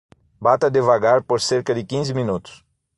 Bata devagar por cerca de quinze minutos.